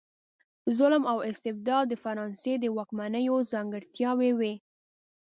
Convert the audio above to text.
ظلم او استبداد د فرانسې د واکمنیو ځانګړتیاوې وې.